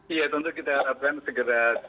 iya tentu kita harapkan segera